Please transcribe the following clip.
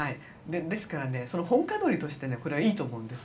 ですからねその本歌取りとしてこれはいいと思うんです。